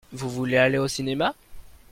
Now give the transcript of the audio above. Vous voulez aller au cinéma ?